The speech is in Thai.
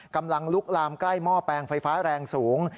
กำลังลุกลามใกล้หม้อแปลงไฟฟ้าแรงสูง